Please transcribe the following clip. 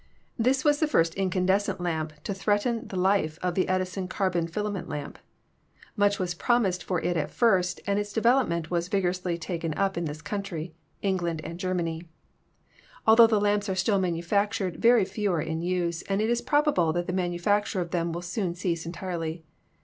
This was the first incandescent lamp to threaten the life of the Edison carbon filament lamp. Much was promised for it at first, and its development was vigor ously taken up in this country, England and Germany. Altho the lamps are still manufactured, very few are in use, and it is probable that the manufacture of them will soon cease entirely.